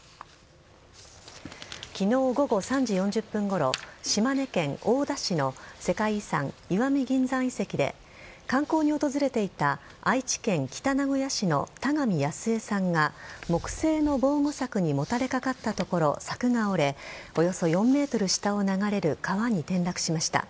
昨日午後３時４０分ごろ島根県大田市の世界遺産・石見銀山遺跡で観光に訪れていた愛知県北名古屋市の田上やすえさんが木製の防護柵にもたれかかったところ柵が折れ、およそ４ｍ下を流れる川に転落しました。